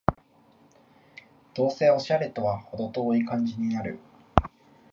どうせオシャレとはほど遠い感じになる